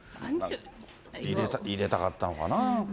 入れたかったのかな。